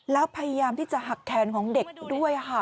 แล้วพยายามที่จะหักแขนของเด็กด้วยค่ะ